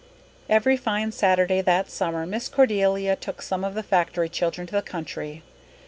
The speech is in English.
Every fine Saturday that summer Miss Cordelia took some of the factory children to the country.